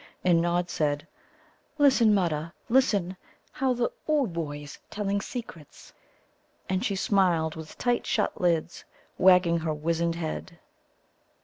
And Nod said: "Listen, Mutta, listen; how the Ooboë's telling secrets!" And she smiled with tight shut lids, wagging her wizened head.